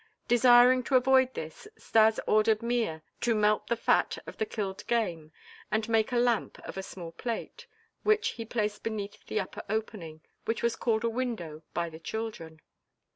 Desiring to avoid this, Stas ordered Mea to melt the fat of the killed game and make a lamp of a small plate, which he placed beneath the upper opening, which was called a window by the children.